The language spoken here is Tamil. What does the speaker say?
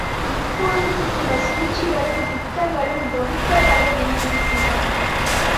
இப்போதும் சில சூழ்ச்சிகளும் திட்டங்களும் வகுக்கப்பட வேண்டியிருக்கின்றன.